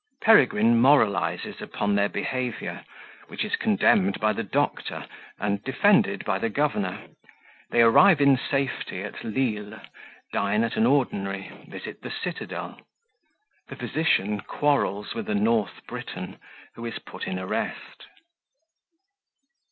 Peregrine moralizes upon their Behaviour, which is condemned by the Doctor, and defended by the Governor They arrive in safety at Lisle, dine at an Ordinary, visit the Citadel The Physician quarrels with a North Briton, who is put in Arrest.